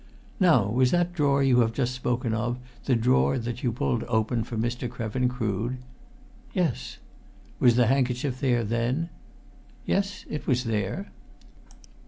"Now was that drawer you have just spoken of the drawer that you pulled open for Mr. Krevin Crood?" "Yes." "Was the handkerchief there then?" "Yes, it was there!"